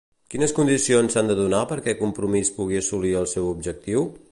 Quines condicions s'han de donar perquè Compromís pugui assolir el seu objectiu?